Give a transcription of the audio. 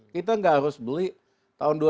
kita nggak harus beli tahun dua ribu dua puluh satu